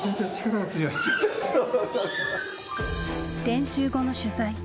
練習後の取材。